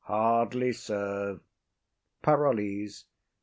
_] Hardly serve. PAROLLES.